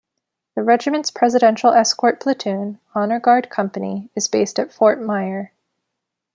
The regiment's Presidential Escort Platoon, Honor Guard Company, is based at Fort Myer.